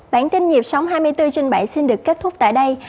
bản tin nhịp sống hai mươi bốn trên bảy xin được kết thúc tại đây